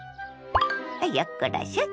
よっこらしょっと。